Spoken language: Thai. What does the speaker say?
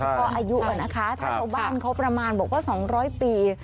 เฉพาะอายุอะนะคะถ้าบ้านเขาประมาณบอกว่า๒๐๐ปี